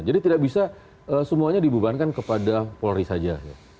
jadi tidak bisa semuanya dibebankan kepada polri saja